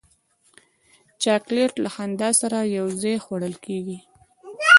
چاکلېټ له خندا سره یو ځای خوړل کېږي.